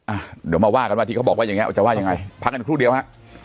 อ่ะเดี๋ยวมาว่ากันว่าที่เขาบอกว่าอย่างเงี้ว่าจะว่ายังไงพักกันครู่เดียวฮะ